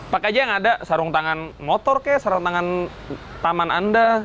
pakai aja yang ada sarung tangan motor ke sarung tangan taman anda